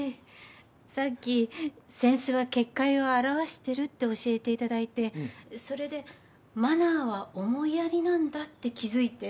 さっき扇子は結界を表してるって教えていただいてそれでマナーは思いやりなんだって気付いて。